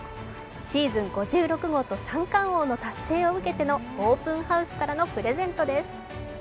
シーズン５６号と三冠王の達成を受けてのオープンハウスからのプレゼントです。